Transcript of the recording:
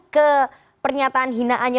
ke pernyataan hinaannya